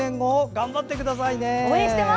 頑張ってくださいね。